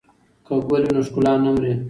که ګل وي نو ښکلا نه مري.